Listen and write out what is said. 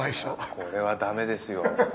これはダメですよ。